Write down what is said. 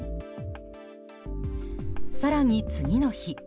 更に次の日。